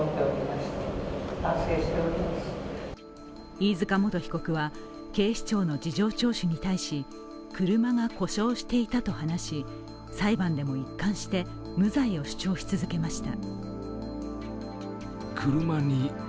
飯塚元被告は、警視庁の事情聴取に対し、車が故障していたと話し裁判でも一貫して無罪を主張し続けました。